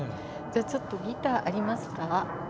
じゃあちょっとギターありますか？